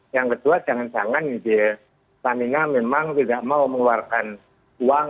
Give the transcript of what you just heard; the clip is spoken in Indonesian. yang kedua jangan jangan stamina memang tidak mau mengeluarkan uang